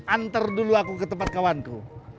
antar dulu aku ke tempat kawanku